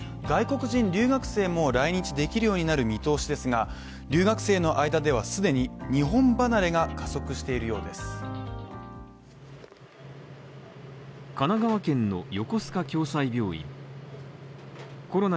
外国人留学生も来日できるようになる見通しですが留学生の間では既に日本離れが加速しているようです。